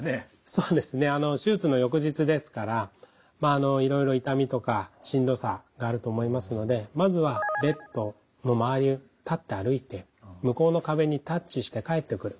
そうですね手術の翌日ですからいろいろ痛みとかしんどさがあると思いますのでまずはベッドの周りを立って歩いて向こうの壁にタッチして帰ってくる。